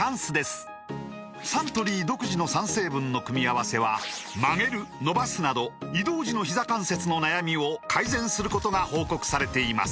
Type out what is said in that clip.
サントリー独自の３成分の組み合わせは曲げる伸ばすなど移動時のひざ関節の悩みを改善することが報告されています